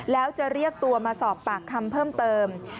แล้วจะเรียกตัวมาสอบปากคำเพิ่มเติม